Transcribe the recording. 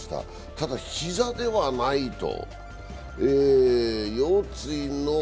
ただ、膝ではないと。